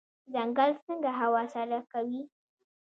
ځنګل څنګه هوا سړه کوي؟